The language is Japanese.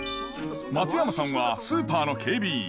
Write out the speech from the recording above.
松山さんはスーパーの警備員。